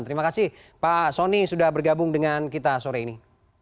terima kasih pak soni sudah bergabung dengan kita sore ini